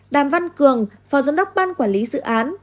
đàm văn cường phó giám đốc ban quản lý dự án